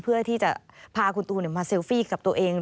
เพื่อที่จะพาคุณตูนมาเซลฟี่กับตัวเอง